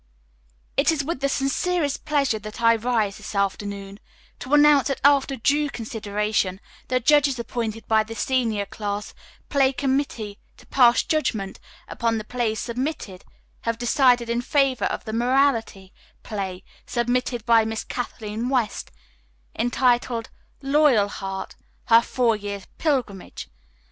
"It is with the sincerest pleasure that I rise, this afternoon, to announce that, after due consideration, the judges appointed by the senior class play committee to pass judgment upon the plays submitted have decided in favor of the morality play submitted by Miss Kathleen West, entitled 'Loyalheart; Her Four Years' Pilgrimage.'